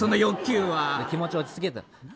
気持ちを落ち着けてたの。